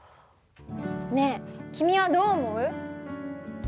ねえ君はどう思う？